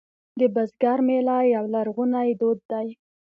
د بزګر میله یو لرغونی دود دی